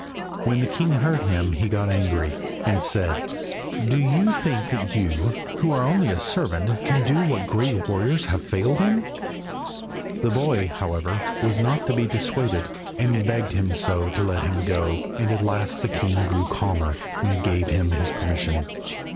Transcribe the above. When the king heard him, he got angry, and said "Do you think that you, who are only a servant, can do what great warriors have failed in?" The boy, however, was not to be dissuaded, and begged him so to let him go that at last the king grew calmer and gave him his permission.